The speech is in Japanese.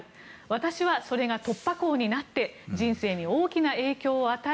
私はそれが突破口になって人生に大きな影響を与え